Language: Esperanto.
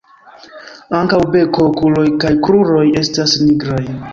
Ankaŭ beko, okuloj kaj kruroj estas nigraj.